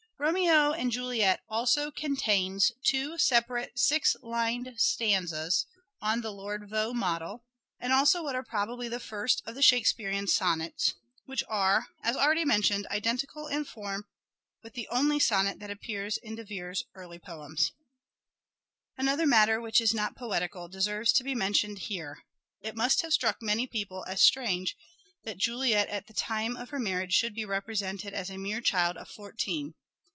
Romeo and Juliet " also contains two separate six lined stanzas (on the Lord Vaux model), and also what are probably the first of the Shakespearean sonnets — which are, as already mentioned, identical in form with the only sonnet that appears in De Vere's early poems. LYRIC POETRY OF EDWARD DE VERE 203 Another matter, which is not poetical, deserves to Oxford's be mentioned here. It must have struck many people c l as strange that Juliet at the time of her marriage should be represented as a mere child of fourteen.